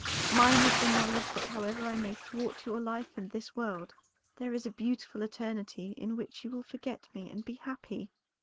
Mine is the knowledge that however I may thwart your life in this world, there is a beautiful eternity in which you will forget me and be happy."